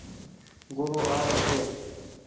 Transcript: گورو آ رو ڇي۔